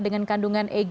dengan kandungan eg